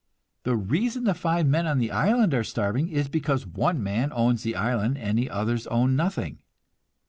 The reason the five men on the island are starving is because one man owns the island and the others own nothing.